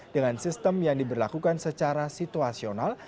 dengan sistem yang diberlakukan secara situasional